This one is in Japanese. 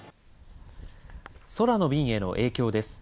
空の便への影響です。